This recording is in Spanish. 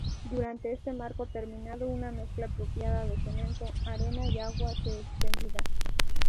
Durante este marco terminado, una mezcla apropiada de cemento, arena y agua se extendida.